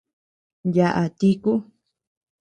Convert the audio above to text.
Yaʼa tíku.